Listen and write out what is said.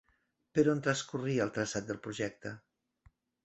Per on transcorria el traçat del projecte?